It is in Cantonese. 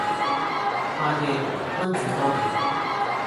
夏夜，蚊子多了，